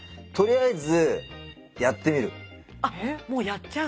あっもうやっちゃう？